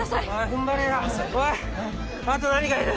ふんばれよおいあと何がいる？